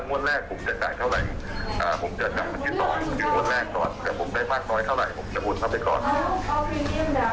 ผมอาจจะทยอยว่าจะไปความเงินอะไรอย่างนี้